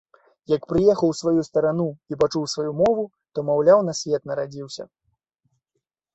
Як прыехаў у сваю старану і пачуў сваю мову, то, маўляў, на свет нарадзіўся.